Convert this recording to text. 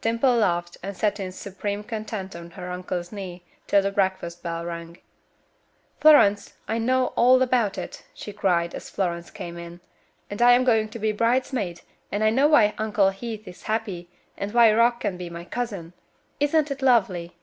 Dimple laughed, and sat in supreme content on her uncle's knee till the breakfast bell rang. "Florence, I know all about it," she cried, as Florence came in, "and I am going to be bridesmaid, and I know why Uncle Heath is happy, and why Rock can be my cousin. Isn't it lovely?"